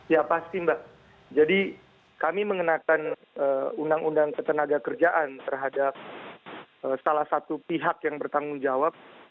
ya pasti mbak jadi kami mengenakan undang undang ketenaga kerjaan terhadap salah satu pihak yang bertanggung jawab